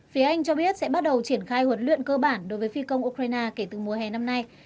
phía anh cho biết sẽ bắt đầu triển khai huấn luyện cơ bản đối với phi công ukraine kể từ mùa hè năm nay